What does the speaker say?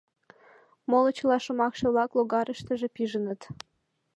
Моло чыла шомакше-влак логарыштыже пижыныт